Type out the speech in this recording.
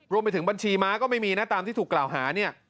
รวมไปถึงบัญชีมาก็ไม่มีนะตามที่ถูกกล่าวหา